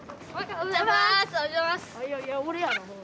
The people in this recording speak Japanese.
おはようございます。